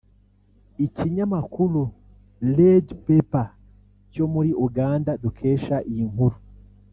Ikinyamakuru Redpepper cyo muri Uganda dukesha iyi nkuru